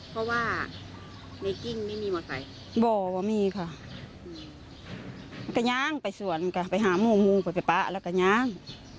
บ่วงว่ามีค่ะมันก็ย้างไปสวนก็ไปหามูงมูงไปปะแล้วก็ย้าง